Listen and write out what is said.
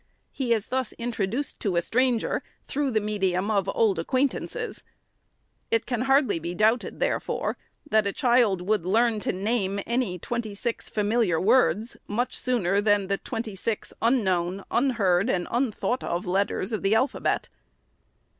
He is thus in troduced to a stranger through the medium of old ac quaintances. It can hardly be doubted, therefore, that a SECOND ANNUAL REPORT. 521 child would learn to name any twenty six familiar words much sooner than the twenty six unknown, unheard, and unthought of letters of the alphabet.